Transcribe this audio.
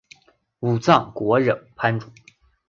武藏国忍藩主。